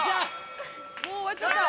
もう終わっちゃった。